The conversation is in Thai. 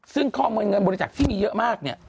ซึ่งข้อมูลเงินบริจาคที่มีเยอะมากเนี่ย